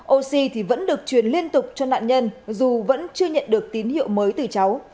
oxy thì vẫn được truyền liên tục cho nạn nhân dù vẫn chưa nhận được tín hiệu mới từ cháu